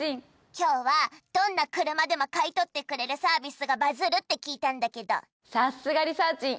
今日はどんな車でも買い取ってくれるサービスがバズるって聞いたんだけどさすがリサーちん